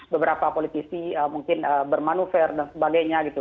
beberapa politisi mungkin bermanuver dan sebagainya gitu